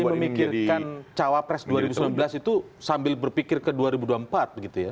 jadi memikirkan cawapres dua ribu sembilan belas itu sambil berpikir ke dua ribu dua puluh empat gitu ya